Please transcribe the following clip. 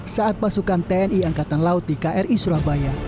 saat pasukan tni angkatan laut di kri surabaya